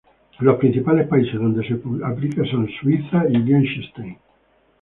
Los principales países donde se aplica son Suiza y Liechtenstein.